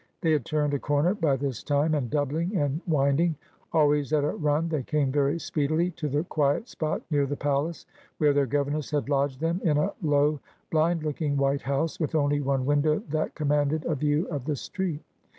They had turned a corner by this time, and doubling and winding, always at a run, they came very speedily to the quiet spot near the palace, where their governess had lodged them in a low blind looking white house, with only one window that com manded a view of the street.